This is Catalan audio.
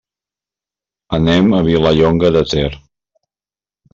Anem a Vilallonga de Ter.